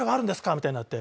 みたいになって。